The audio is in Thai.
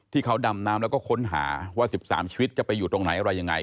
ที่เขาดำน้ำแล้วก็ค้นหาว่า๑๓ชีวิตจะไปอยู่ตรงไหนอะไรยังไง